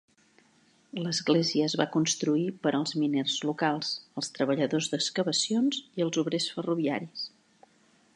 L'església es va construir per als miners locals, els treballadors d'excavacions i els obrers ferroviaris.